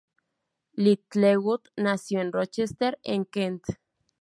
Littlewood nació en Rochester en Kent.